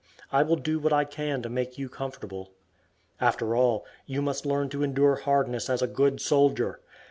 I will do what I can to make you comfortable. After all, you must learn to endure hardness as a good soldier.